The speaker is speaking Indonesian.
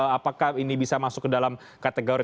apakah ini bisa masuk ke dalam kategori